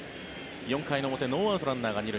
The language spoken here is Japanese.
４回の表、ノーアウトランナーが２塁。